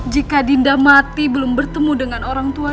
jika dinda mati belum bertemu dengan orang tua